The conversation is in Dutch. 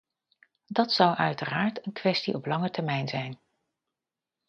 Dat zou uiteraard een kwestie op lange termijn zijn.